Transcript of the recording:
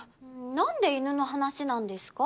なんで犬の話なんですか？